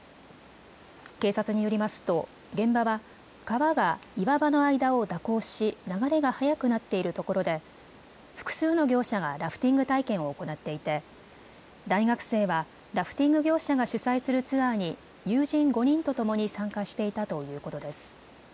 警察によりますと現場は川が岩場の間を蛇行し流れが速くなっているところで複数の業者がラフティング体験を行っていて大学生はラフティング業者が主催するツアーに友人５人とともに参加していたということです。